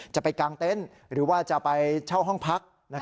ไปกางเต็นต์หรือว่าจะไปเช่าห้องพัก